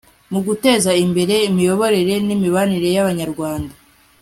mu guteza imbere imiyoborere n imibanire y abanyarwanda